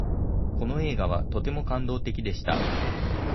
この映画はとても感動的でした。